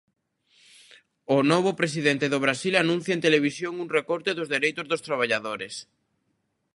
O novo presidente do Brasil anuncia en televisión un recorte dos dereitos dos traballadores.